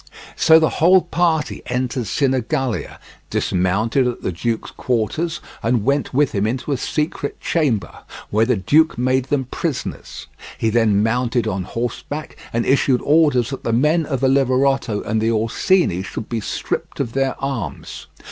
So the whole party entered Sinigalia, dismounted at the duke's quarters, and went with him into a secret chamber, where the duke made them prisoners; he then mounted on horseback, and issued orders that the men of Oliverotto and the Orsini should be stripped of their arms.